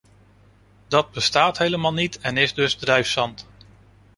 Dat bestaat helemaal niet en is dus drijfzand!